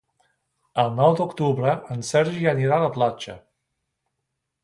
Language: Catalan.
El nou d'octubre en Sergi anirà a la platja.